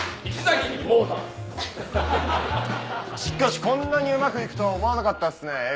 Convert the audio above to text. しかしこんなにうまくいくとは思わなかったっすね。